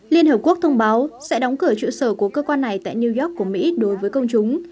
liên hợp quốc thông báo sẽ đóng cửa trụ sở của cơ quan này tại new york của mỹ đối với công chúng